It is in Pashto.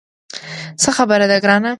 څه خبره ده ګرانه.